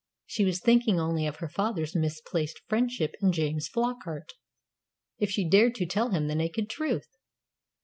She was thinking only of her father's misplaced friendship in James Flockart. If she dared to tell him the naked truth!